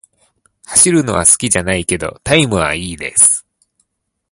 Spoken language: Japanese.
走るのは好きじゃないけど、タイムは良いです。